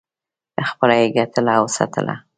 خپله یې ګټله او څټله.